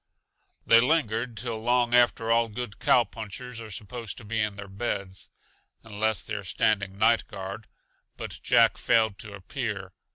They lingered till long after all good cowpunchers are supposed to be in their beds unless they are standing night guard but Jack failed to appear.